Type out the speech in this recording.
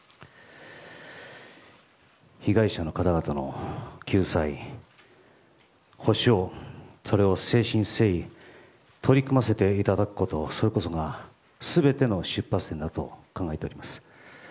被害者の方々の救済、補償それを誠心誠意取り組ませていただくことそれこそが全ての出発点だと考えております。